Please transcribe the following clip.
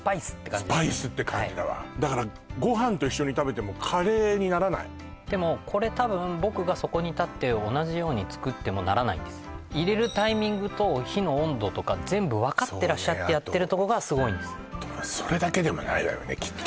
スパイスって感じだわだからご飯と一緒に食べてもカレーにならないでもこれ多分僕がそこに立って同じように作ってもならないんです入れるタイミングと火の温度とか全部分かってらっしゃってやってるとこがすごいんですでもそれだけでもないわよねきっと